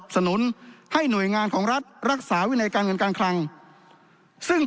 สนุนให้หน่วยงานของรัฐรักษาวินัยการเงินการคลังซึ่ง